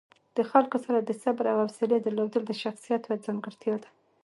د خلکو سره د صبر او حوصلې درلودل د شخصیت یوه ځانګړتیا ده.